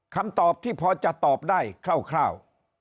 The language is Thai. คำตอบที่พอจะตอบได้คร่าว